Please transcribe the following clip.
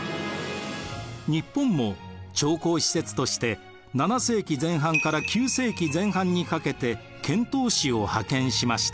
日本も朝貢使節として７世紀前半から９世紀前半にかけて遣唐使を派遣しました。